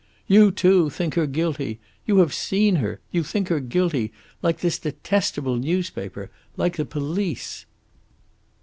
"You, too, think her guilty! You have seen her. You think her guilty like this detestable newspaper, like the police."